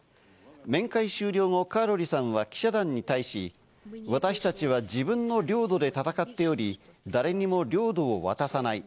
面会終了後、カーロリさんは記者団に対し、私たちは自分の領土で戦っており、誰にも領土を渡さない。